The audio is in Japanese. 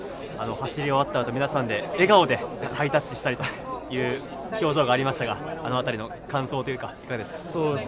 走り終わったあと、皆さんで笑顔でハイタッチしたりという表情がありましたが、あの辺りの感想というか、いかがですか？